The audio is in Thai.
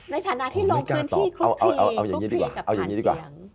ในฐานะที่ลงเคลื่อนที่ลูกภีร์กับคะแนนเสียง